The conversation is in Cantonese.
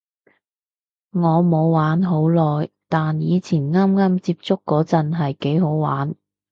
我冇玩好耐，但以前啱啱接觸嗰陣係幾好玩